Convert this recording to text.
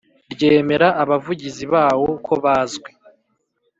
ryemera Abavugizi bawo kobazwi